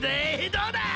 どうだ！